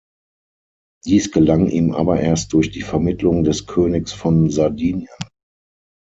Dies gelang ihm aber erst durch die Vermittlung des Königs von Sardinien.